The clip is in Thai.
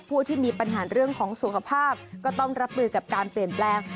ผู้ที่มีปัญหาเรื่องของสุขภาพก็ต้องรับมือกับการเปลี่ยนแปลง